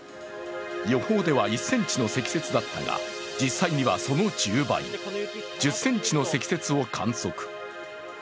予報では１ｃｍの積雪だったが実際にはその１０倍、１０ｃｍの積雪を観測。